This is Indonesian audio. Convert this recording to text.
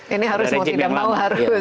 ini harus kalau tidak mau harus usaha sendiri